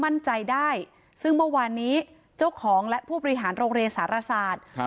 มั่นใจได้ซึ่งเมื่อวานนี้เจ้าของและผู้บริหารโรงเรียนสารศาสตร์ครับ